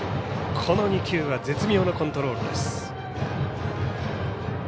この２球が絶妙なコントロールです。